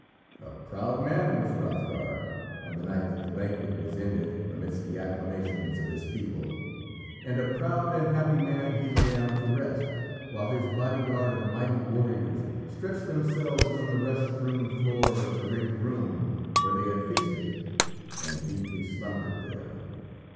A proud man was Hrothgar on the night that the banquet was ended amidst the acclamations of his people, and a proud and happy man he lay down to rest, while his bodyguard of mighty warriors stretched themselves on the rush strewn floor of the great room where they had feasted, and deeply slumbered there.